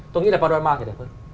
tôi nghĩ là panorama thì đẹp hơn